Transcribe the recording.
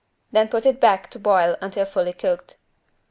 Then put it back to boil until fully cooked.